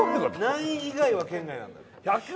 何位以外は圏外なんだっけ？